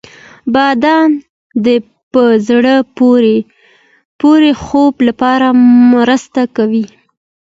• بادام د په زړه پورې خوب لپاره مرسته کوي.